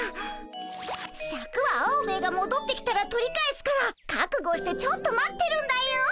シャクはアオベエがもどってきたら取り返すから覚悟してちょっと待ってるんだよ。